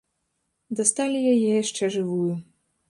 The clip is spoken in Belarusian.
Дасталі яе яшчэ жывую.